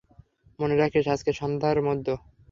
মনে রাখিস, আজকে সন্ধ্যার মধ্যে।